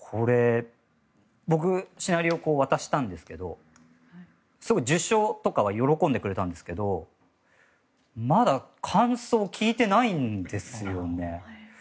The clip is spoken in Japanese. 僕、シナリオを渡したんですけど受賞とかは喜んでくれたんですけどまだ感想を聞いてないんですよね。